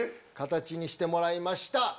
形にしてもらいました。